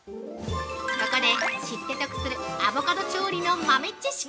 ここで知って得するアボカド調理の豆知識！